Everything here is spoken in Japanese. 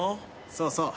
そうそう。